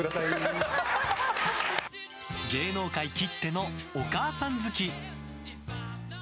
芸能界きってのお母さん好き！